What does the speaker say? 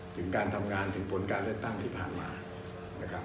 ถึงการทำงานถึงการเรียนตั้งที่ผ่ามา